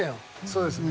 そうですね。